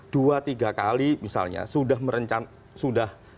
dua tiga kali misalnya sudah